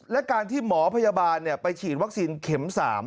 และการที่หมอพยาบาลไปฉีดวัคซีนเข็ม๓